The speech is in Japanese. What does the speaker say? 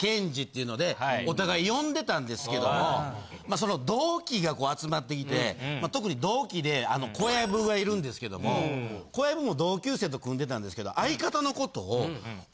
いうのでお互い呼んでたんですけどもまあその同期がこう集まってきて特に同期で小籔がいるんですけども小籔も同級生と組んでたんですけど。